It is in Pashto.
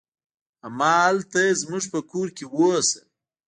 همالته زموږ په کور کې اوسه.